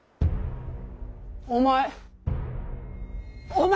お前！